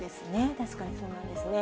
確かにそうなんですね。